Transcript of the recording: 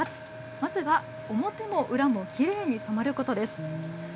まずは表も裏もきれいに染まることです。